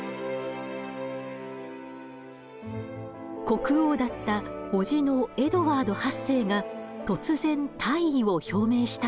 国王だった伯父のエドワード８世が突然退位を表明したのです。